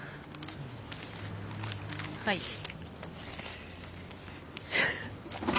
はい。